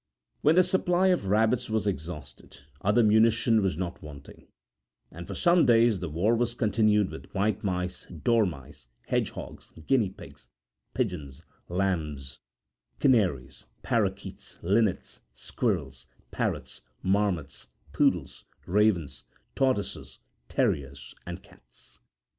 When the supply of rabbits was exhausted, other munition was not wanting, and for some days the war was continued with white mice, dormice, hedgehogs, guinea pigs, pigeons, lambs, canaries, parakeets, linnets, squirrels, parrots, marmots, poodles, ravens, tortoises, terriers, and cats.